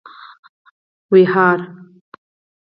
ويهاره